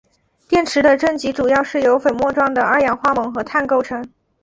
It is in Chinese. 电池的正极主要是由粉末状的二氧化锰和碳构成。